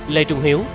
lê trung hiếu